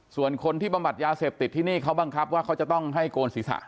ส่วนคนที่บำบัดยาเสพติดที่นี่เขาบังคับว่าเขาจะต้องให้โกนศีรษะ